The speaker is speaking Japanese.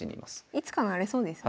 いつか成れそうですね。